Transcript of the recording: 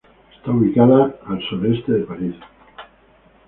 Está ubicada a al sureste de París.